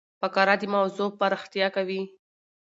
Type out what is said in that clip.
فقره د موضوع پراختیا کوي.